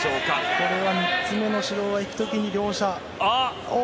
これは３つ目の指導が行く時に両者。